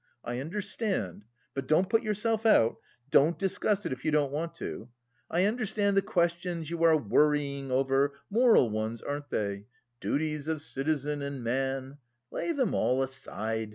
"I understand (but don't put yourself out, don't discuss it if you don't want to). I understand the questions you are worrying over moral ones, aren't they? Duties of citizen and man? Lay them all aside.